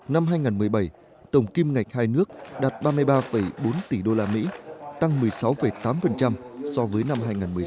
năm hai nghìn một mươi bảy tổng kim ngạch hai nước đạt ba mươi ba bốn tỷ usd tăng một mươi sáu tám so với năm hai nghìn một mươi sáu